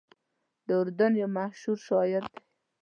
د اردن یو مشهور شاعر دی.